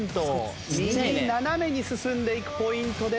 右斜めに進んでいくポイントで。